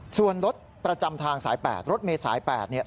ส่วนรถประจำทางสาย๘รถเมษาย๘เนี่ย